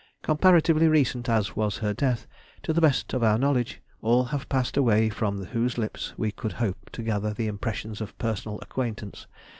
Comparatively recent as was her death, to the best of our knowledge all have passed away from whose lips we could hope to gather the impressions of personal acquaintance.